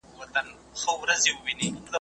انسان د الله د حقوقو په وړاندې پوروړی دی.